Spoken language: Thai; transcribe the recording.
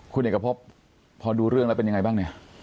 คุณเอกพบพอดูเรื่องแล้วเป็นยังไงบ้างเนี่ย